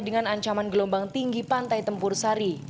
dengan ancaman gelombang tinggi pantai tempur sari